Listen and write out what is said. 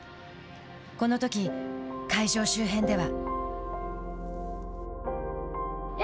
このとき、会場周辺では。